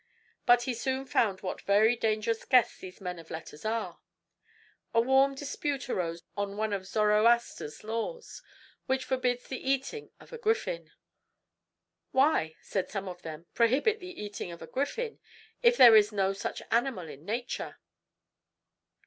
But he soon found what very dangerous guests these men of letters are. A warm dispute arose on one of Zoroaster's laws, which forbids the eating of a griffin. "Why," said some of them, "prohibit the eating of a griffin, if there is no such an animal in nature?"